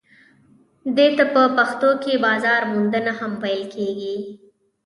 دې ته په پښتو کې بازار موندنه هم ویل کیږي.